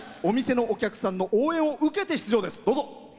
お店のお客さんの応援を受けて出場です。